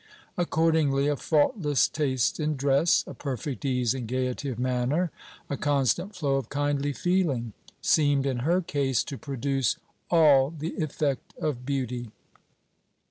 Accordingly, a faultless taste in dress, a perfect ease and gayety of manner, a constant flow of kindly feeling, seemed in her case to produce all the effect of beauty.